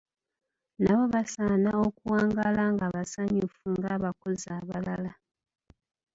Nabo basaana okuwangaala nga basanyufu ng'abakozi abalala.